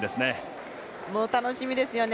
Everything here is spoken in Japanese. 楽しみですよね。